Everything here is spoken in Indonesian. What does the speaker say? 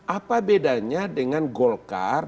apa bedanya dengan golkar